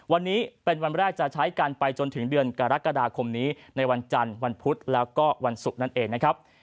วันนี้เป็นวันแรกจะใช้กันไปจนถึงเดือนกรกฎาคมนี้ในวันจันทร์วันพุธแล้วก็วันศุกร์นั่นเองนะครับ